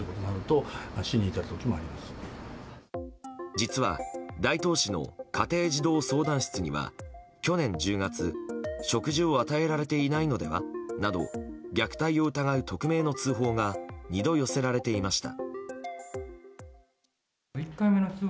実は大東市の家庭児童相談室には去年１０月、食事を与えられていないのでは？など虐待を疑う匿名の通報が２度寄せられていました。